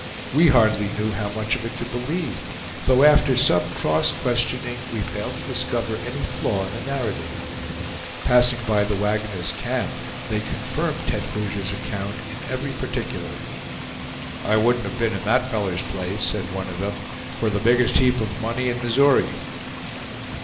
We hardly knew how much of it to believe, though after some cross questioning we failed to discover any flaw in the narrative. Passing by the wagoner's camp, they confirmed Tete Rouge's account in every particular. "I wouldn't have been in that feller's place," said one of them, "for the biggest heap of money in Missouri."